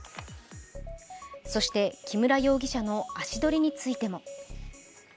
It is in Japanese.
そして、木村容疑者の足取りについても。